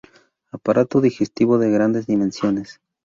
Aparato digestivo de grandes dimensiones.